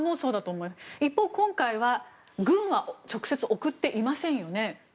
一方、今回は軍は直接送っていませんよね。